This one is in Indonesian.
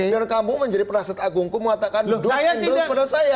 dan kamu menjadi penasihat agungku mengatakan dua sendos kepada saya